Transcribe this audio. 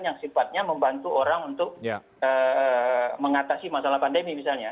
yang sifatnya membantu orang untuk mengatasi masalah pandemi misalnya